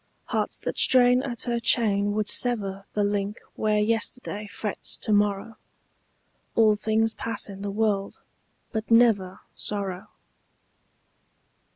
Hearts that strain at her chain would sever The link where yesterday frets to morrow: All things pass in the world, but never Sorrow.